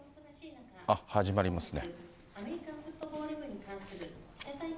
あっ、始まりますね。